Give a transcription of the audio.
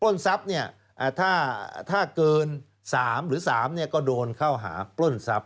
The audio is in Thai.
ทรัพย์เนี่ยถ้าเกิน๓หรือ๓ก็โดนเข้าหาปล้นทรัพย